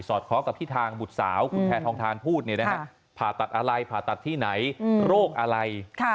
คล้องกับที่ทางบุตรสาวคุณแพทองทานพูดผ่าตัดอะไรผ่าตัดที่ไหนโรคอะไร